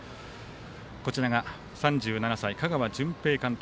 こちらが３７歳、香川純平監督。